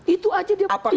itu aja dia intervensi